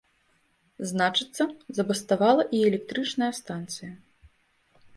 Значыцца, забаставала і электрычная станцыя.